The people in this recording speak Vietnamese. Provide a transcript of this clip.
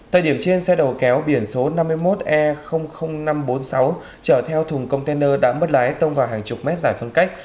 thời điểm trên xe đầu kéo biển số năm mươi một e năm trăm bốn mươi sáu chở theo thùng container đã mất lái tông vào hàng chục mét giải phân cách